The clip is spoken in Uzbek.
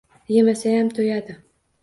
Yemasayam to‘yadi.